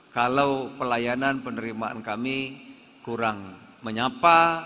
karena pelayanan penerimaan kami kurang menyapa